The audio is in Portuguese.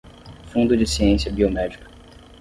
Fundo de ciência biomédica